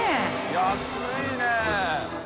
安いね。